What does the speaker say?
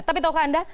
tapi tau gak anda